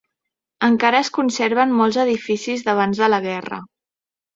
Encara es conserven molts edificis d'abans de la guerra.